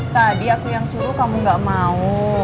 tadi aku yang suruh kamu gak mau